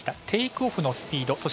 テイクオフのスピード。